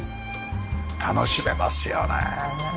楽しめますよね！